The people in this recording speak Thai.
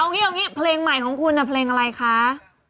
เอาอย่างนี้เพลงใหม่ของคุณเพลงอะไรคะ